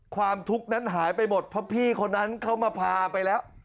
ความทุกข์นั้นหายไปหมดเพราะพี่คนนั้นเขามาพาไปแล้ว